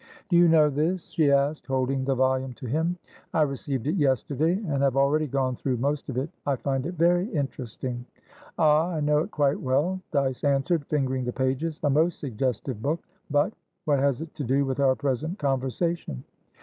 "Do you know this?" she asked, holding the volume to him. "I received it yesterday, and have already gone through most of it. I find it very interesting." "Ah, I know it quite well," Dyce answered, fingering the pages. "A most suggestive book. Butwhat has it to do with our present conversation?"